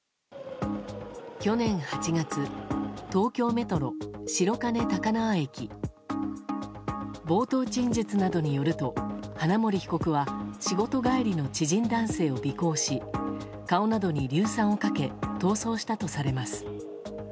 去年８月、東京メトロ白金高輪駅。冒頭陳述などによると花森被告は仕事帰りの知人男性を尾行し顔などに硫酸をかけ逃走したとされます。